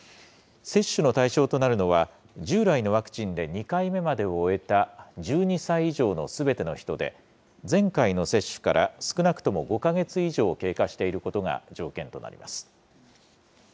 接種の対象となるのは、従来のワクチンで２回目までを終えた１２歳以上のすべての人で、前回の接種から少なくとも５か月以上経過していることが条件となります。